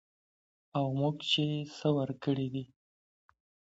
او موږ چې څه ورکړي دي